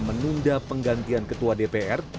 menunda penggantian ketua dpr